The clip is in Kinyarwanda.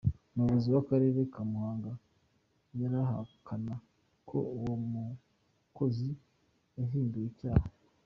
Umuyobozi w’Akarere ka Muhanga arahakana ko uwo mukozi yahimbiwe icyaha.